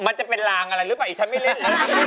มันจะเป็นลางอะไรหรือเปล่าอีกฉันไม่เรียก